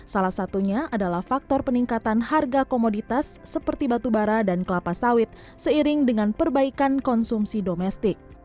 salah satunya adalah faktor peningkatan harga komoditas seperti batubara dan kelapa sawit seiring dengan perbaikan konsumsi domestik